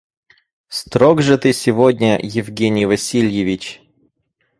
Строг же ты сегодня, Евгений Васильевич.